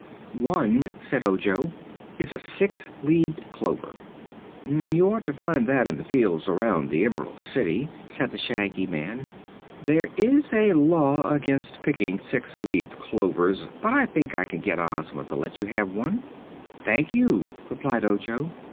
"One," said Ojo, "is a six leaved clover." "You ought to find that in the fields around the Emerald City," said the Shaggy Man. "There is a Law against picking six leaved clovers, but I think I can get Ozma to let you have one." "Thank you," replied Ojo.